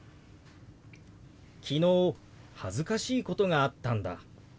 「昨日恥ずかしいことがあったんだ」。